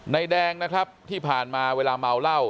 แดงนะครับที่ผ่านมาเวลาเมาเหล้า